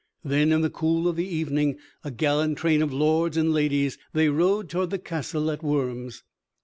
Then, in the cool of the evening, a gallant train of lords and ladies, they rode toward the castle at Worms.